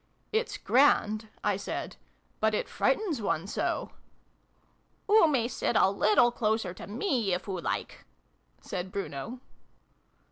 " It's grand," I said : "but it frightens one so!" "Oo may sit a little closer to me, if oo like," said Bruno.)